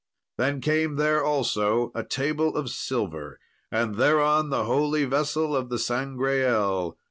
Then came there also a table of silver, and thereon the holy vessel of the Sangreal.